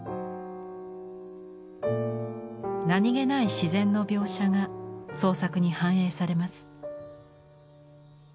何気ない自然の描写が創作に反映されます。